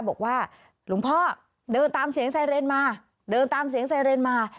บอกว่าหลวงพ่อเดินตามเสียงไซเรนมาเดินตามเสียงไซเรนมา